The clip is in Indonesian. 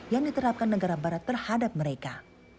yang diterapkan negara barat terhadap mereka